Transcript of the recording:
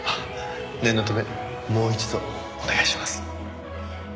念のためもう一度お願いします。